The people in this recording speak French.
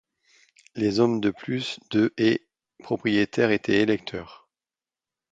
Les hommes de plus de et propriétaires étaient électeurs.